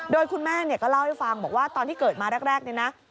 โดยคุณแม่ก็เล่าให้ฟังบอกว่าตอนที่เกิดมาแรกเนี่ยนะ